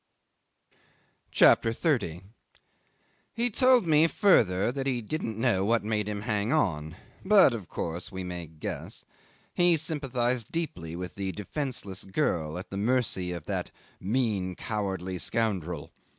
CHAPTER 30 'He told me further that he didn't know what made him hang on but of course we may guess. He sympathised deeply with the defenceless girl, at the mercy of that "mean, cowardly scoundrel."